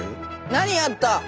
何やった？